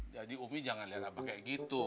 jadi umi jangan liat apa kayak gitu